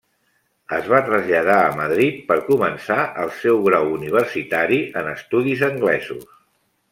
Es va traslladar a Madrid per començar el seu grau universitari en Estudis Anglesos.